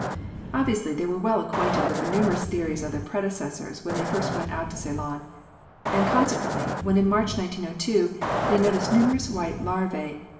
Obviously they were well acquainted with the numerous theories of their predecessors when they first went out to Ceylon, and consequently when in March 1902 they noticed numerous white larvae (fig.